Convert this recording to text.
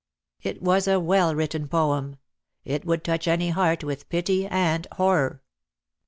It was a well written poem. It would touch any heart with pity and horror.